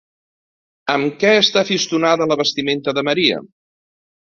Amb què està fistonada la vestimenta de Maria?